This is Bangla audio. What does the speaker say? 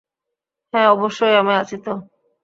হ্যাঁ, অবশ্যই, আমি আছি তো।